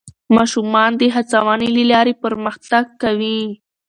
ماشومان د هڅونې له لارې پرمختګ کوي